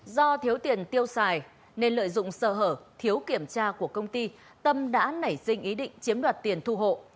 do thiếu tiền tiêu xài nên lợi dụng sơ hở thiếu kiểm tra của công ty tâm đã nảy sinh ý định chiếm đoạt tiền thu hộ